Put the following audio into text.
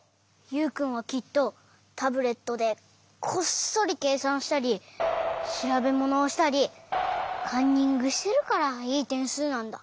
ユウくんはきっとタブレットでこっそりけいさんしたりしらべものをしたりカンニングしてるからいいてんすうなんだ。